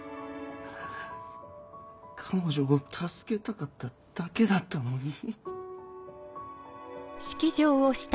彼女を助けたかっただけだったのに。